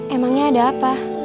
emangnya ada apa